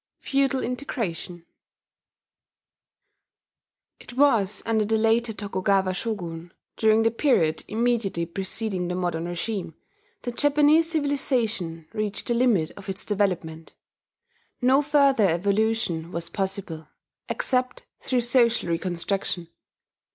FEUDAL INTEGRATION It was under the later Tokugawa Shogun during the period immediately preceding the modern regime that Japanese civilization reached the limit of its development. No further evolution was possible, except through social reconstruction.